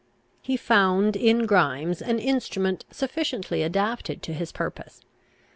He found in Grimes an instrument sufficiently adapted to his purpose.